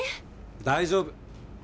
大丈夫！